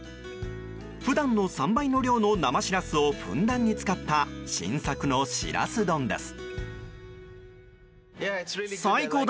普段の３倍の量の生シラスをふんだんに使った新作のシラス丼です。